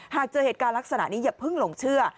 หากเจอเหตุการณ์ลักษณะนี้อย่าเพิ่งหลงเชื่อ